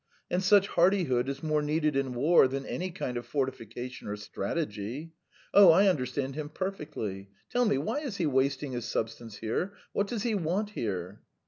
And such hardihood is more needed in war than any kind of fortification or strategy. Oh, I understand him perfectly! Tell me: why is he wasting his substance here? What does he want here?"